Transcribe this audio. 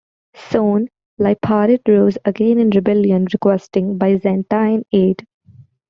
Soon Liparit rose again in rebellion, requesting Byzantine aid.